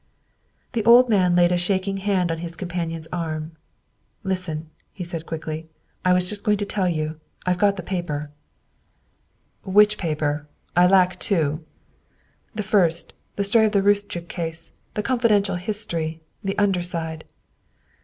'' The old man laid a shaking hand on his companion's arm. " Listen," he said quickly, " I was just going to tell you I've got the paper." THE SECRETARY OF STATE 221 " Which paper? I lack two." " The first. The story of the Roostchook case: the confidential history the under side."